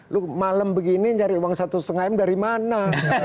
lu malam begini nyari uang satu lima m dari mana